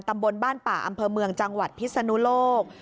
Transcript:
ตำบลบ้านป่าอำเภอเมืองจังหวัดพิศนุโลก